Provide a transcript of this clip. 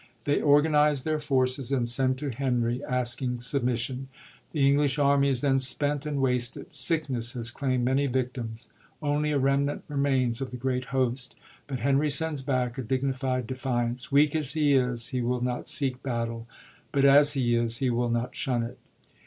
They organise their forces, and send to Henry asking submission. The English army is then spent and wasted: sickness has claimd many victims; only a remnant remains of the great host : but Henry sends back a dignified defiance. Weak as he is, he will not seek battle ; but as he is, he will not shun it.